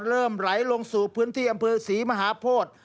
เริ่มไหลลงสู่พื้นที่อำเภอศรีมหาโพธิ